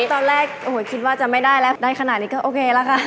ตอนแรกโอ้โหคิดว่าจะไม่ได้แล้วได้ขนาดนี้ก็โอเคแล้วค่ะ